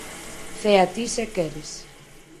Cea ti se queres.